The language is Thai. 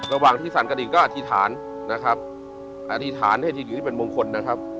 ระหว่างที่สั่นกระดิ่งก็อธิษฐานนะครับอธิษฐานให้ดีที่เป็นมงคลนะครับ